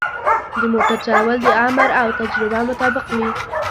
د موټر چلول د عمر او تجربه مطابق وي.